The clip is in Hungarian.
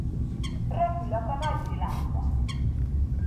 Röpülök a nagyvilágba!